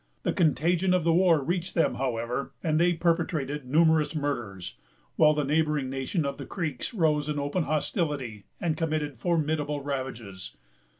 The contagion of the war reached them, however, and they perpetrated numerous murders; while the neighboring nation of the Creeks rose in open hostility, and committed formidable ravages.